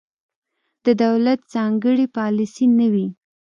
د دولت ځانګړې پالیسي نه وي.